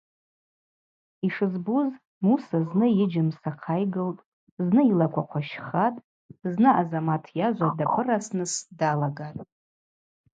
Йшызбуз Муса зны йыджьымса хъайгылтӏ, зны йылаква хъващхатӏ, зны Азамат йажва дапырасныс далагатӏ.